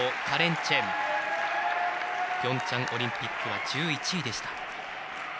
ピョンチャンオリンピックは１１位でした。